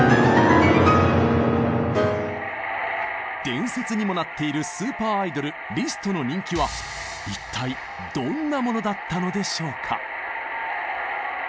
伝説にもなっているスーパーアイドルリストの人気は一体どんなものだったのでしょうか？